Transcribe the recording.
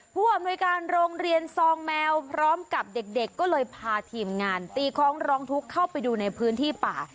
ผู้อำนวยการโรงเรียนซองแมวพร้อมกับเด็กก็เลยพาทีมงานตีคล้องร้องทุกข์เข้าไปดูในพื้นที่ป่า